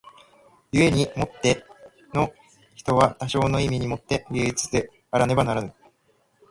故に凡ての人は多少の意味に於て芸術家であらねばならぬ。